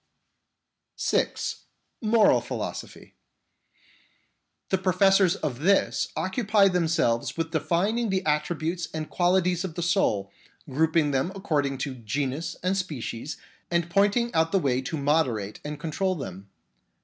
(6) Moral Philosophy. The professors of this occupy themselves with defining the attributes and qualities of the soul, grouping them according to genus and species, and pointing out the way to moderate and control them.